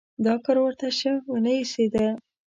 دا کار ورته شه ونه ایسېده.